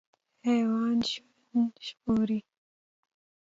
حیوان ژوند ژغوري.